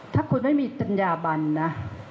ถ้าคุณไม่มีจัญญาบันนะ